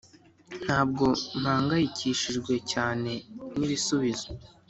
] ntabwo mpangayikishijwe cyane nibisubizo.